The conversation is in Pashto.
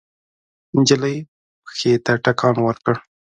نجلۍ پښې ته ټکان ورکړ.